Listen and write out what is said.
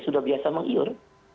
sudah biasa meng iur